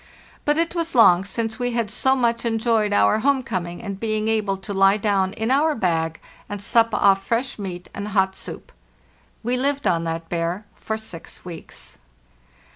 But it was long since we had so much enjoyed our home coming and being able to le down in our bag and sup off fresh meat and hot soup." We lived on that bear for six weeks.